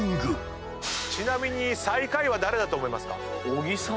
ちなみに最下位は誰だと思いますか？